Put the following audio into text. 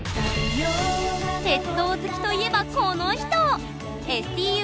鉄道好きといえばこの人！